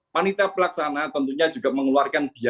panitia pelaksana tentunya juga mengeluarkan biaya